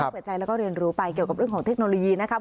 เปิดใจแล้วก็เรียนรู้ไปเกี่ยวกับเรื่องของเทคโนโลยีนะครับ